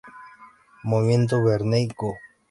Movimiento, Vernier Go!